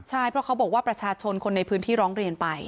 ใช่เพราะเขาบอกว่าประชาชนคนในพื้นที่ร้องเรียนไป